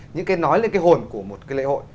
những cái nói lên cái hồn của một cái lễ hội